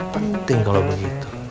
penting kalau begitu